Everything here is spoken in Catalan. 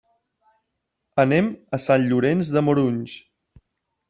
Anem a Sant Llorenç de Morunys.